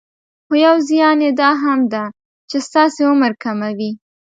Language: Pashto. خو يو زيان يي دا هم ده چې ستاسې عمر کموي.